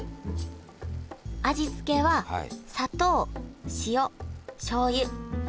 味付けは砂糖塩しょうゆ。